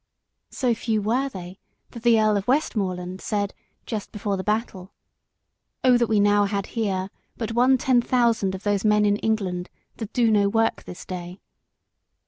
So few were they that the Earl of Westmoreland said, just before the battle, "Oh, that we now had here But one ten thousand of those men in England That do no work to day!"